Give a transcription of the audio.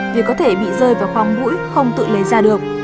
vì có thể bị rơi vào khoang mũi không tự lấy ra được